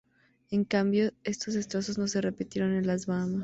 En cambio, estos destrozos no se repitieron en las Bahamas.